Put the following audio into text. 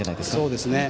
そうですね。